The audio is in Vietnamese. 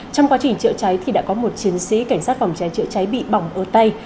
trong quá trình chữa cháy thì đã có một chiến sĩ cảnh sát phòng cháy chữa cháy bị bỏng ở tay